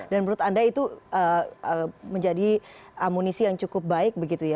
dan menurut anda itu menjadi amunisi yang cukup baik begitu ya